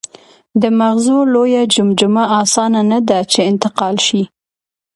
د مغزو لویه جمجمه اسانه نهده، چې انتقال شي.